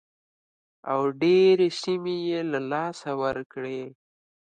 او ډېرې سیمې یې له لاسه ورکړې.